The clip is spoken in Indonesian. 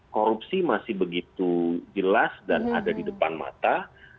korupsi masih begitu jelas dan ada di depan mata